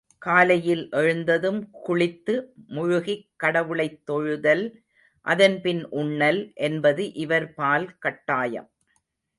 காலையில் எழுந்ததும் குளித்து முழுகிக் கடவுளைத் தொழுதல், அதன் பின் உண்ணல் என்பது இவர்பால் கட்டாயம்.